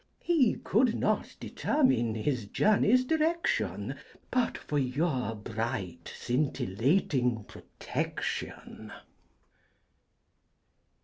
He could not determine his journey's direction But for your bright scintillating protection.